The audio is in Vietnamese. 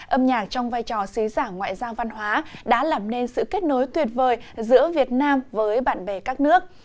âm nhạc trong vai trò sứ giả ngoại giao văn hóa đã làm nên sự kết nối tuyệt vời giữa việt nam với bạn bè các nước